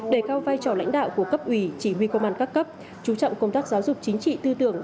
đề cao vai trò lãnh đạo của cấp ủy chỉ huy công an các cấp chú trọng công tác giáo dục chính trị tư tưởng